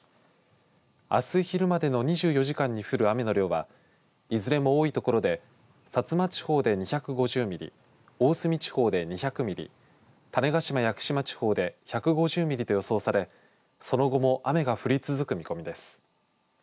あす昼までの２４時間に降る雨の量はいずれも多い所で薩摩地方で２５０ミリ大隅地方で２００ミリ種子島、屋久島地方で１５０ミリと予想されその後も雨が降り続く見込みです。